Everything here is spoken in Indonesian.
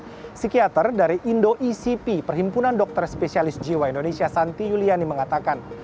psikiater dari indo icp perhimpunan dokter spesialis jiwa indonesia santi yuliani mengatakan